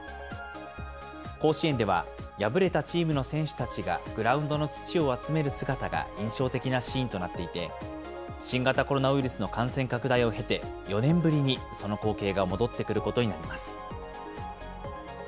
甲子園では、敗れたチームの選手たちがグラウンドの土を集める姿が印象的なシーンとなっていて、新型コロナウイルスの感染拡大を経て、４年ぶりに、その光景が戻ってくることになります。